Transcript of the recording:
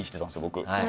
僕。